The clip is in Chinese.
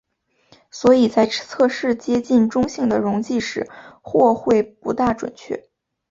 所以在测试接近中性的溶剂时或会不大准确。